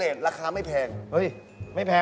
เอาอีกเม้มอีกแล้ว